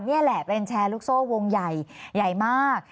นี่แหละเป็นแชร์ลูกโซ่วงใหญ่ใหญ่มาก